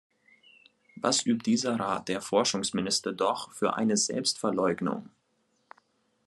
Was übt dieser Rat der Forschungsminister doch für eine Selbstverleugnung!